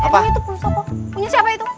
punya siapa itu